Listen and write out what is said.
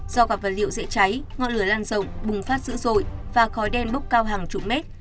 do gặp vật liệu dễ cháy ngọn lửa lan rộng bùng phát dữ dội và khói đen bốc cao hàng chục mét